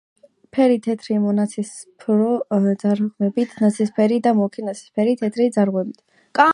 ფერი: თეთრი, მონაცრისფრო ძარღვებით; ნაცრისფერი და მუქი ნაცრისფერი, თეთრი ძარღვებით.